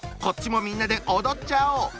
こっちもみんなで踊っちゃおう！